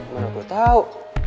mana gue tau